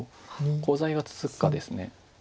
コウ材が続くかです。